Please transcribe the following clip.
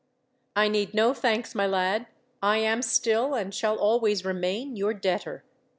"I need no thanks, my lad. I am still, and shall always remain, your debtor.